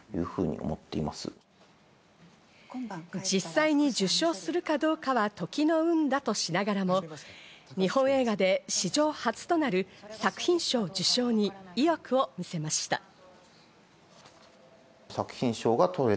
実際に受賞するかどうかは時の運だとしながらも、日本映画で史上初となる作品賞受賞に意欲を見せました。